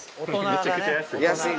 めちゃくちゃ安い。